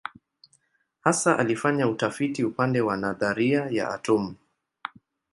Hasa alifanya utafiti upande wa nadharia ya atomu.